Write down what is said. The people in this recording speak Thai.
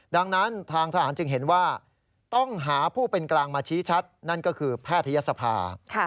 ดังนั้นทางทหารจึงเห็นว่าต้องหาผู้เป็นกลางมาชี้ชัดนั่นก็คือแพทยศภา